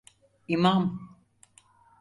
İmam…